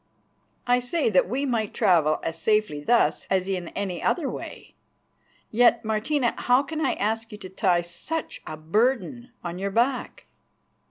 "I say that we might travel as safely thus as in any other way. Yet, Martina, how can I ask you to tie such a burden on your back?"